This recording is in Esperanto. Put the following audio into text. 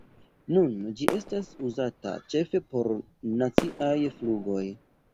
Nun ĝi estas uzata ĉefe por naciaj flugoj.